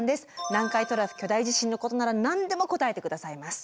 南海トラフ巨大地震のことなら何でも答えて下さいます。